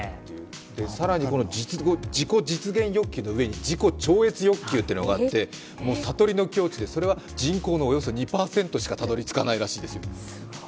更に自己承認欲求の上に、自己実現欲求があって悟りの境地で、それは人口のおよそ２％しかたどり着かないらしいですよ。